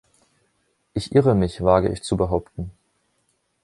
Ich irre mich, wage ich zu behaupten.